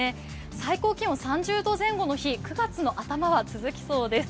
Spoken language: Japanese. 最高気温３０度前後の日、９月の頭は続きそうです。